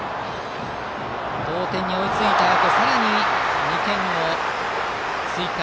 同点に追いついたあとさらに２点を追加。